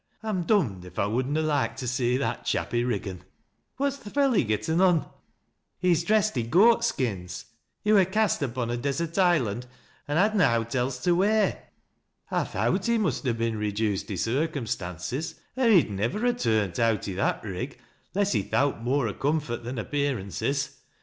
" I'm dom'd, if I would na loike to see that chap i' Riggan 1 What's th' felly getten on ?"" He's dressed i' goat skins. He wur cast upon a desert island, an' had na' owt else to wear." " I thowt he must ha' been reduced i' circumstances, oi he'd niwer ha turnt out i' that rig 'less he thowt more o' comfort than appearances.